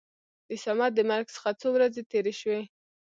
د صمد د مرګ څخه څو ورځې تېرې شوې.